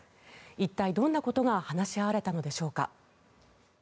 一体、どんなことが話し合われたのでしょうか。